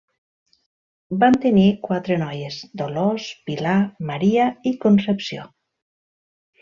Van tenir quatre noies; Dolors, Pilar, Maria i Concepció.